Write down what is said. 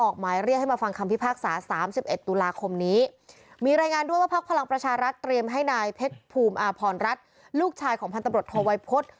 คุมอพรรณรัฐลูกชายของพันธบรรททวัยพฤษ